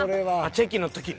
チェキの時に？